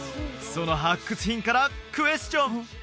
その発掘品からクエスチョン！